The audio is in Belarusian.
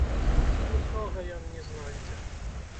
Нічога ён не знойдзе.